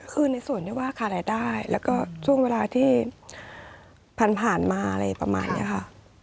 คือในส่วนที่ว่าขาดรายได้แล้วก็ช่วงเวลาที่ผ่านมาอะไรประมาณนี้ค่ะ